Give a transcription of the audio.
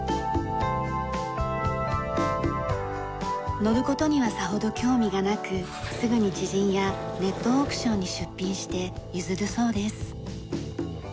乗る事にはさほど興味がなくすぐに知人やネットオークションに出品して譲るそうです。